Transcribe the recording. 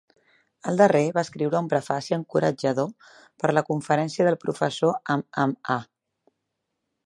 El darrer va escriure un prefaci encoratjador per a la "conferència del professor Mmaa".